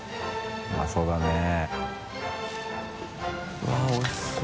うわっおいしそう。